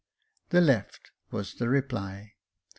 " The left," was the reply.